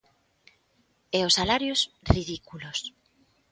E os salarios, ridículos.